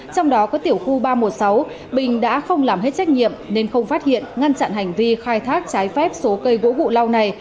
trong đó có tiểu khu ba trăm một mươi sáu bình đã không làm hết trách nhiệm nên không phát hiện ngăn chặn hành vi khai thác trái phép số cây gỗ vụ lau này